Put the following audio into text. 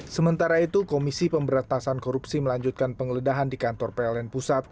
sementara itu komisi pemberantasan korupsi melanjutkan penggeledahan di kantor pln pusat